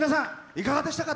いかがでしたか？